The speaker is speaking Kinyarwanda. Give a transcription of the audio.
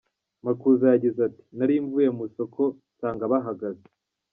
Makuza yagize ati “Nari mvuye mu isoko, nsanga bahagaze.